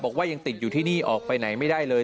ยังติดอยู่ที่นี่ออกไปไหนไม่ได้เลย